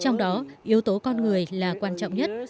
trong đó yếu tố con người là quan trọng nhất